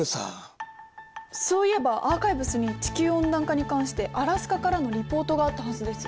そういえばアーカイブスに地球温暖化に関してアラスカからのリポートがあったはずです。